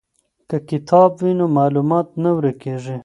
که کتاب وي نو معلومات نه ورک کیږي.